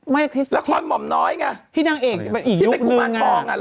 ไม่ที่ที่ละครหม่ำน้อยไงที่นางเอกแม่นอีกยุคนึงไกล